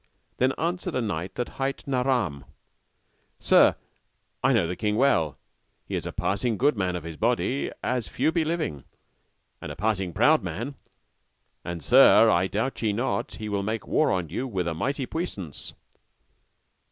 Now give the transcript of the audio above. Then answered a knight that hight Naram, Sir, I know the king well; he is a passing good man of his body, as few be living, and a passing proud man, and Sir, doubt ye not he will make war on you with a mighty puissance.